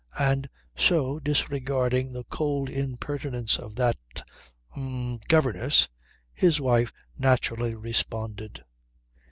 And so, disregarding the cold impertinence of that ... h'm ... governess, his wife naturally responded.